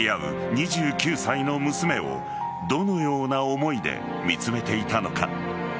２９歳の娘をどのような思いで見つめていたのか。